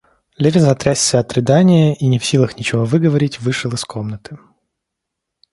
Левин затрясся от рыдания и, не в силах ничего выговорить, вышел из комнаты.